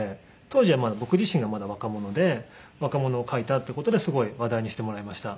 当時はまだ僕自身が若者で若者が書いたっていう事ですごい話題にしてもらいました。